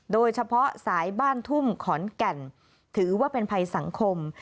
โดยเฉพาะสายบ้านทุ่มขอนแก่นถือว่าเป็นภัยสังคม